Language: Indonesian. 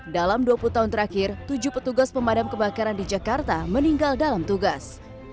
dalam dua puluh tahun terakhir tujuh petugas pemadam kebakaran di jakarta meninggal dalam tugas